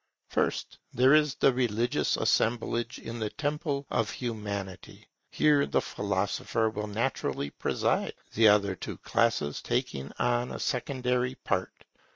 First, there is the religious assemblage in the Temple of Humanity. Here the philosopher will naturally preside, the other two classes taking on a secondary part.